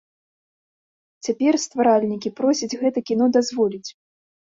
Цяпер стваральнікі просяць гэта кіно дазволіць.